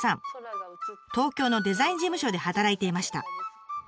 東京のデザイン事務所で働いていました。